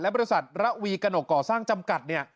บริษัทระวีกระหนกก่อสร้างจำกัดเนี่ย